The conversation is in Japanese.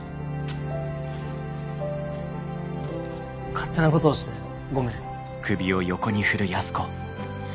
勝手なことをしてごめん。